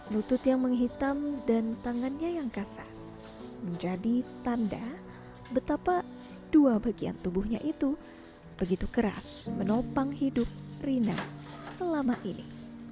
lutut yang menghitam dan tangannya yang kasar menjadi tanda betapa dua bagian tubuhnya itu begitu keras menopang hidup rina selama ini